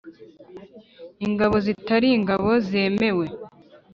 ingabo zitari ingabo zemewe